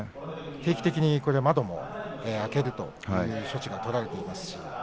定期的に窓を開けるという措置も取られています。